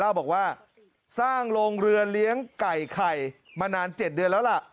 เล่าบอกว่าสร้างโรงเรือเลี้ยงไก่ไข่มานาน๗เดือนแล้วล่ะ